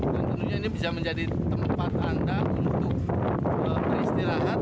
dan tentunya ini bisa menjadi tempat anda untuk beristirahat